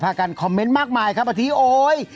ผ้ากันคอมเมนต์มากมายครับพระทีโอ๊ย